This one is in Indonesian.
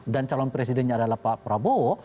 dan calon presidennya adalah pak prabowo